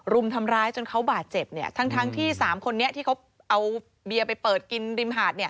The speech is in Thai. รุมทำร้ายจนเขาบาดเจ็บทั้งที่๓คนนี้ที่เขาเอาเบียร์ไปเปิดกินริมหาด